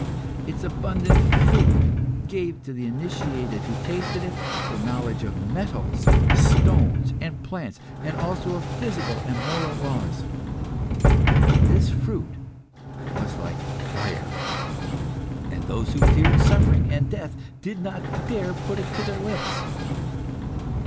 Its abundant fruit gave to the initiated who tasted it the knowledge of metals, stones, and plants, and also of physical and moral laws; but this fruit was like fire, and those who feared suffering and death did not dare to put it to their lips.